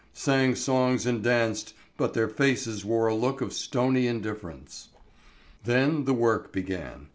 sang songs and danced, but their faces wore a look of stony indifference. Then the work began.